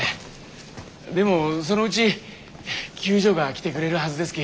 でもそのうち救助が来てくれるはずですき。